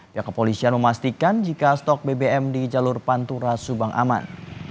pihak kepolisian memastikan jika stok bbm di jalur pantura subang aman